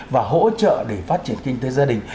và hỗ trợ để phát triển kinh tế gia đình